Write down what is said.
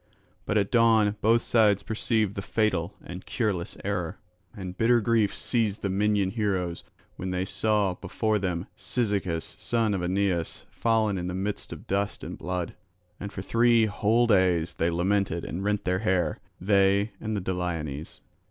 But at dawn both sides perceived the fatal and cureless error; and bitter grief seized the Minyan heroes when they saw before them Cyzicus son of Aeneus fallen in the midst of dust and blood. And for three whole days they lamented and rent their hair, they and the Dollones.